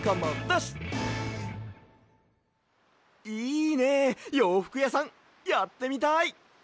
いいねようふくやさんやってみたい！